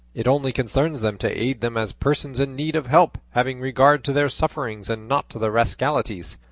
It only concerns them to aid them as persons in need of help, having regard to their sufferings and not to their rascalities.